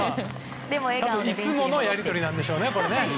いつものやり取りなんでしょうね。